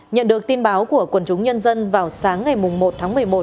nhận được tin báo của quần chúng nhân dân vào sáng ngày một tháng một mươi một